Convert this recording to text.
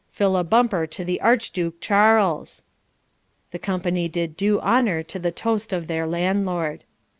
Fill a bumper to the Archduke Charles.' The company did due honour to the toast of their landlord.